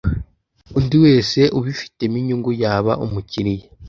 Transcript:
undi wese ubifitemo inyungu yaba umukiriya